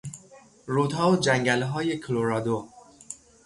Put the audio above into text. رودها و جنگلهای کلرادو